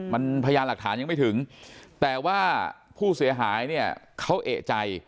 มันพยานหลักฐานยังไม่ถึงแต่ว่าผู้เสียหายเนี่ยเขาเอกใจ